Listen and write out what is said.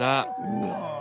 うわ。